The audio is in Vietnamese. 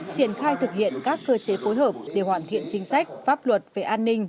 triển khai thực hiện các cơ chế phối hợp để hoàn thiện chính sách pháp luật về an ninh